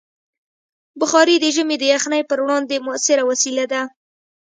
بخاري د ژمي د یخنۍ پر وړاندې مؤثره وسیله ده.